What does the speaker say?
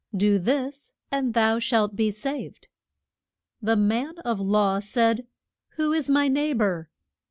Do this, and thou shalt be saved. The man of law said, Who is my neigh bor?